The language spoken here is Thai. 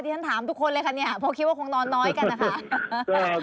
ที่ท่านถามทุกคนเลยค่ะเพราะคิดว่าคงนอนน้อยกันนะคะ